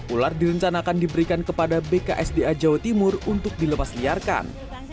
ular direncanakan diberikan kepada bksda jawa timur untuk dilepas liarkan